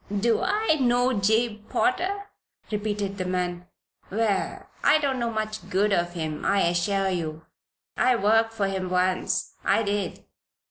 "Do I know Jabe Potter?" repeated the man. "Well, I don't know much good of him, I assure ye! I worked for him onct, I did.